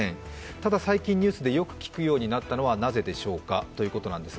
ただ、最近ニュースでよく聞くようになったのはぜでしょうか？